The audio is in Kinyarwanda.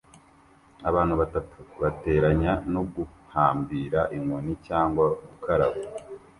Abantu batatu bateranya no guhambira inkoni cyangwa gukaraba